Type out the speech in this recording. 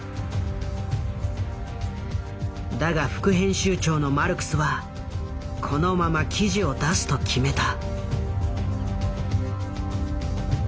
だが副編集長のマルクスはこのまま記事を出すと決めた。